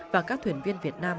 và các thuyền viên việt nam